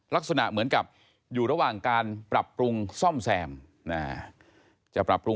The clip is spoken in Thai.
ลักษณะเหมือนการเพิ่มความซ่อมแซมรเบรษอุ้น